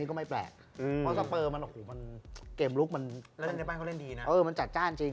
อันนี้เอาแบบจากใจนะ